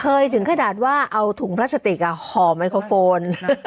ถึงขนาดว่าเอาถุงพลาสติกห่อไมโครโฟน